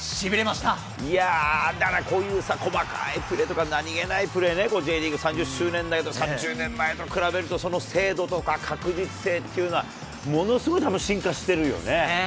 いやー、だからこういう細かいプレーとか何気ないプレーで、Ｊリーグ３０周年だけど、３０年前と比べると、その精度とか確実性っていうのは、ものすごい進化してるよね。